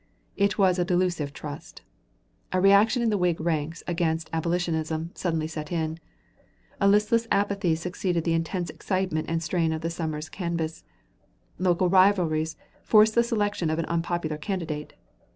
It was a delusive trust. A reaction in the Whig ranks against "abolitionism" suddenly set in. A listless apathy succeeded the intense excitement and strain of the summer's canvass. Local rivalries forced the selection of an unpopular candidate.